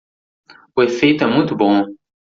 O efeito é muito bom